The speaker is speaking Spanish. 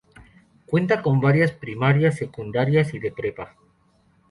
Cuenta con varias primarias, secundarias y de prepa.